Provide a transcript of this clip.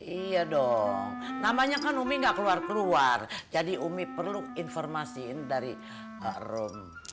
iya dong namanya kan umi gak keluar keluar jadi umi perlu informasiin dari rom